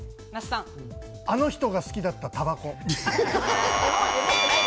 あの人が好きだったタバコ。